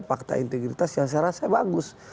fakta integritas yang saya rasa bagus